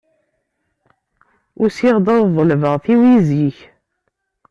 Usiɣ-d ad ḍelbeɣ tiwizi-k.